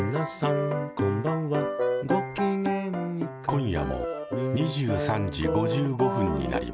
今夜も２３時５５分になりました。